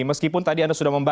meskipun tadi anda sudah membahas